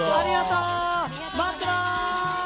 待ってます！